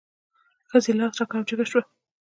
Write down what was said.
ښځې لاس را کړ او جګه شوه.